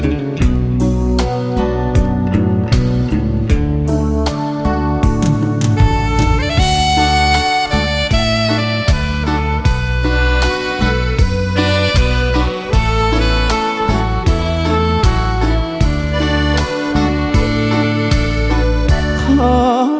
ท่านแสดงเดิมท่านแสดงเจ้า